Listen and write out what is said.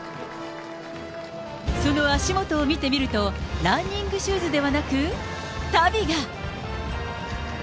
その足元を見てみると、ランニングシューズではなく、たびが。